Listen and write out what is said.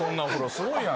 すごいやんか。